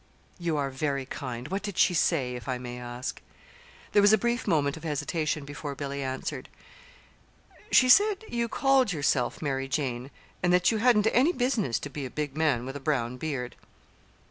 "You are very kind. What did she say? if I may ask." There was a brief moment of hesitation before Billy answered. "She said you called yourself 'Mary Jane,' and that you hadn't any business to be a big man with a brown beard."